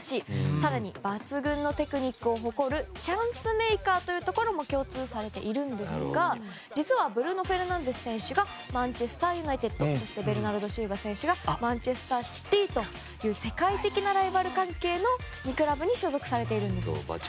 更に、抜群のテクニックを誇るチャンスメイカーというところも共通されているんですが実はブルーノ・フェルナンデス選手がマンチェスター・ユナイテッドそしてベルナルド・シウバ選手がマンチェスター・シティという世界的なライバル関係のクラブに所属されているんです。